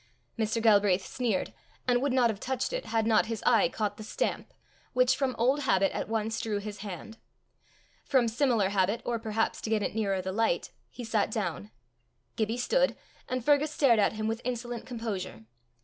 Mr. Galbraith sneered, and would not have touched it had not his eye caught the stamp, which from old habit at once drew his hand. From similar habit, or perhaps to get it nearer the light, he sat down. Gibbie stood, and Fergus stared at him with insolent composure.